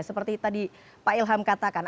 seperti tadi pak ilham katakan